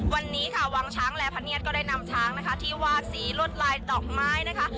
วันนี้ค่ะวังช้างและพระเนียดก็ได้นำช้างนะคะที่วาดสีลวดลายดอกไม้นะคะ